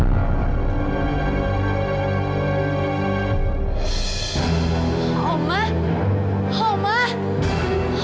yang sepupu banget